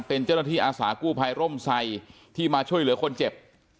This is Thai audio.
เป็นเจ้าหน้าที่อาสากู้ภัยร่มไซที่มาช่วยเหลือคนเจ็บ